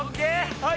はい！